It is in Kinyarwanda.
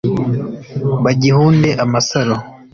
bagihunde amasaro